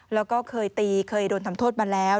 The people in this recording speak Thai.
แล้วก็เคยตีเคยโดนทำโทษมาแล้ว